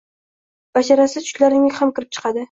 Basharasi tushlarimga ham kirib chiqadi!